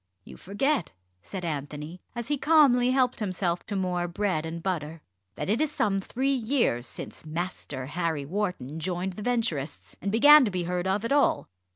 "You forget," said Anthony, as he calmly helped himself to more bread and butter, "that it is some three years since Master Harry Wharton joined the Venturists and began to be heard of at all.